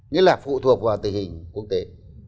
nghĩa là phụ thuộc vào tình hình quốc tế